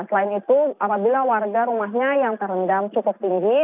selain itu apabila warga rumahnya yang terendam cukup tinggi